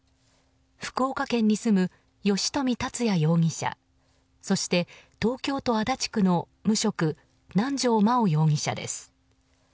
福岡県に住む、吉富達哉容疑者そして東京都足立区の無職南條真央容疑者です。